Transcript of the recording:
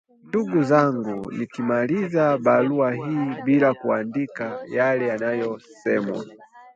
Ndugu zangu nikimaliza barua hii bila kuandika yale yanayosemwa